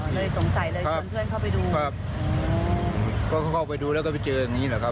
เลยสงสัยเลยชวนเพื่อนเข้าไปดูครับก็เข้าไปดูแล้วก็ไปเจออย่างงี้แหละครับ